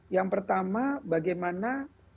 yang pertama bagaimana